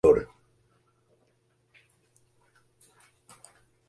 El techo está algo inclinado hacia el interior.